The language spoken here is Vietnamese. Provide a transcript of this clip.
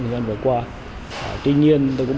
thời gian vừa qua tuy nhiên tôi cũng